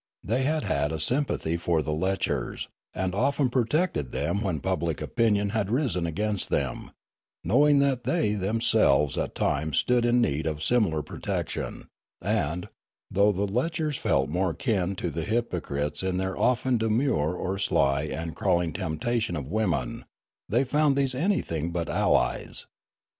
They had had a sympathy for the lechers, and often protected them when public opinion had risen against them, knowing that they themselves at times stood in need of similar protection ; and, though the lechers felt more kin to the hypocrites in their often demure or sly and crawl ing temptation of women, they found these anything but allies.